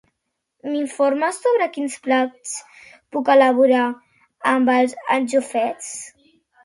M'informes sobre quins plats puc elaborar amb les anxoves?